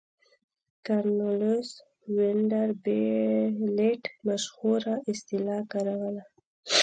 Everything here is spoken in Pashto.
کارنلیوس وینډربیلټ مشهوره اصطلاح کاروله.